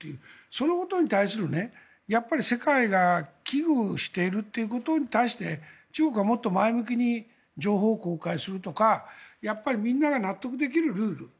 そのことに対する、世界が危惧しているということに対して中国はもっと前向きに情報を公開するとかみんなが納得できるルール。